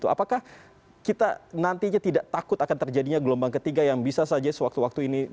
apakah kita nantinya tidak takut akan terjadinya gelombang ketiga yang bisa saja sewaktu waktu ini